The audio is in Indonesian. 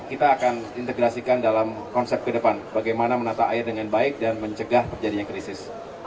kita akan integrasikan dalam konsep ke depan bagaimana menata air dengan baik dan mencegah terjadinya krisis